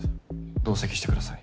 同席してください。